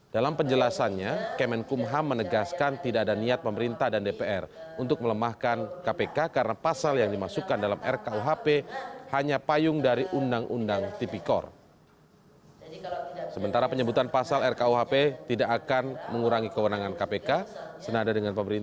dalam penjelasannya kemenkumham menegaskan tidak ada niat pemerintah dan dpr untuk melemahkan kpk karena pasal yang dimasukkan dalam rkuhp hanya payung dari undang undang tipikor